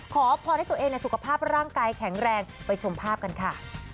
ขอพรให้ตัวเองในสุขภาพร่างกายแข็งแรงไปชมภาพกันค่ะ